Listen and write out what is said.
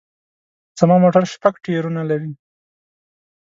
زما موټر شپږ ټیرونه لري